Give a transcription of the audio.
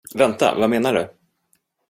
Vänta, vad menar du?